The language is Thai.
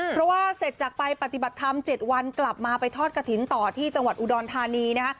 เพราะว่าเสร็จจากไปปฏิบัติธรรม๗วันกลับมาไปทอดกระถิ่นต่อที่จังหวัดอุดรธานีนะฮะ